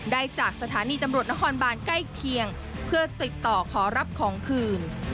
ได้จากสถานีตำรวจนครบานใกล้เคียงเพื่อติดต่อขอรับของคืน